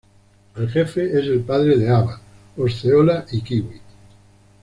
El Jefe es el padre de Ava, Osceola y Kiwi.